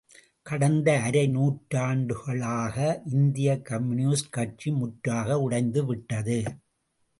கடந்த அரை நூற்றாண்டுக்குள்ளாக இந்தியக் கம்யூனிஸ்ட் கட்சி முற்றாக உடைந்து விட்டது.